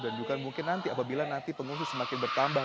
dan juga mungkin nanti apabila pengungsi semakin bertambah